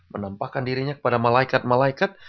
menampakkan dirinya kepada malekat malekat